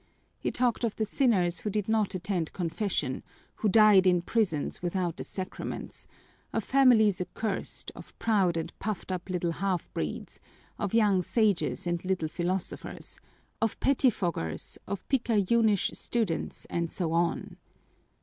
He talked of the sinners who did not attend confession, who died in prisons without the sacraments, of families accursed, of proud and puffed up little half breeds, of young sages and little philosophers, of pettifoggers, of picayunish students, and so on.